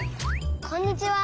こんにちは。